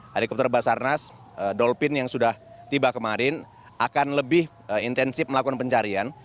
helikopter basarnas dolpin yang sudah tiba kemarin akan lebih intensif melakukan pencarian